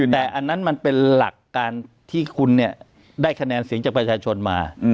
แต่อันนั้นมันเป็นหลักการที่คุณได้คะแนนเสียงจากประชาชนมา